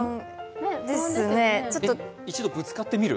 一度、ぶつかってみる？